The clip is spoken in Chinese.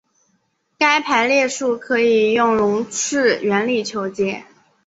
该排列数可以用容斥原理求解。